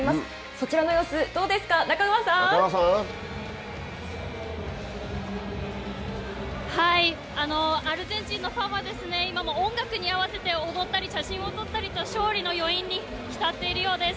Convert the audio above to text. そちらの様子、どうですか、中川アルゼンチンのファンは、今も音楽に合わせて、踊ったり、写真を撮ったりと、勝利の余韻に浸っているようです。